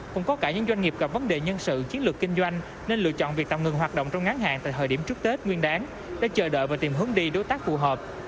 cũng có cả những doanh nghiệp gặp vấn đề nhân sự chiến lược kinh doanh nên lựa chọn việc tạm ngừng hoạt động trong ngắn hạn tại thời điểm trước tết nguyên đáng để chờ đợi và tìm hướng đi đối tác phù hợp